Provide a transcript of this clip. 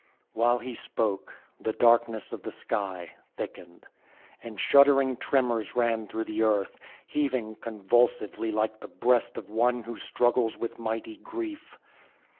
While he spoke the darkness of the sky thickened, and shuddering tremors ran through the earth, heaving convulsively like the breast of one who struggles with mighty grief.